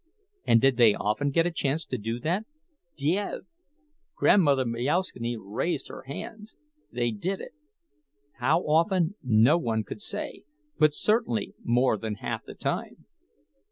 And did they often get a chance to do that? Dieve! (Grandmother Majauszkiene raised her hands.) They did it—how often no one could say, but certainly more than half of the time.